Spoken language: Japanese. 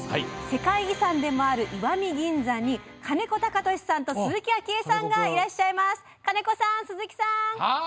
世界遺産でもある石見銀山に金子貴俊さんと鈴木あきえさんがいらっしゃいます。